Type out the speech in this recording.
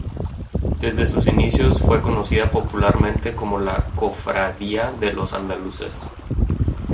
Desde sus inicios fue conocida popularmente como la ""Cofradía de los Andaluces"".